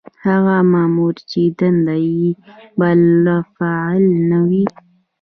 هغه مامور چې دنده یې بالفعل نه وي.